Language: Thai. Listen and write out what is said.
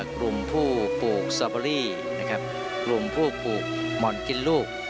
กลุ่มผู้ปลูกสตอเบอรี่นะครับกลุ่มผู้ปลูกหม่อนกินลูก